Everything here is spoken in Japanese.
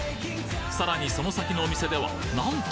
さらにその先のお店ではなんと！